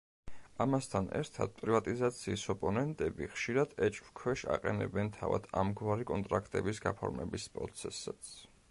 ამასთან ერთად პრივატიზაციის ოპონენტები ხშირად ეჭვქვეშ აყენებენ თავად ამგვარი კონტრაქტების გაფორმების პროცესსაც.